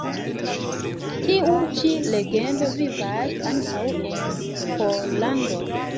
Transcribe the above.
Tiu ĉi legendo vivas ankaŭ en Pollando.